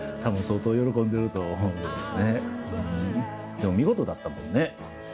でも見事だったもんね。